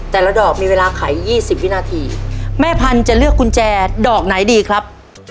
แต่ละดอกมีเวลาไขยี่สิบวินาทีแม่พันธุ์จะเลือกกุญแจดอกไหนดีครับ